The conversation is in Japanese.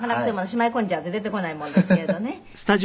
しまいこんじゃうと出てこないもんですけれどね」